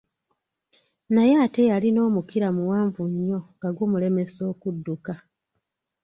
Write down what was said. Naye ate yalina omukira muwaanvu nnyo nga gumulemesa okudduka.